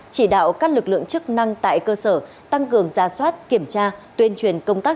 chỉ đạo các lực lượng chức năng tại cơ sở tăng cường gia soát kiểm tra tuyên truyền công tác